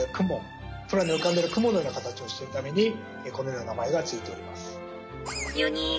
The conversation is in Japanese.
空に浮かんでいる雲のような形をしているためにこのような名前が付いております。